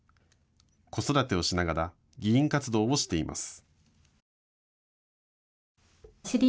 子育てをしながら議員活動をしています。